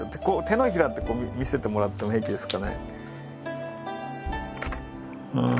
こう手のひらって見せてもらっても平気ですかね。